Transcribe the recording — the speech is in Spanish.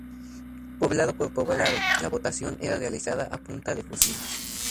Poblado por poblado, la votación era realizada a punta de fusil.